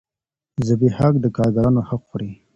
زبېښاک د کارګرانو حق خوري.